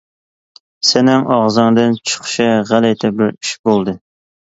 سېنىڭ ئاغزىڭدىن چىقىشى غەلىتە بىر ئىش بولدى.